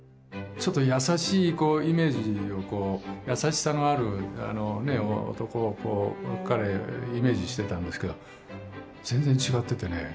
ちょっと優しいイメージをこう優しさのある男を彼、イメージしてたんですけど全然違っててね